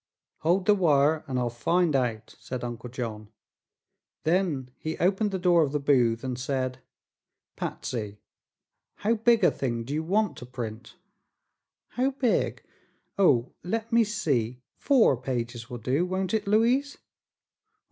"Hold the wire and I'll find out," said Uncle John. Then he opened the door of the booth and said: "Patsy, how big a thing do you want to print?" "How big? Oh, let me see. Four pages will do, won't it, Louise?"